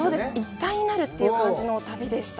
一体になるという感じの旅でした。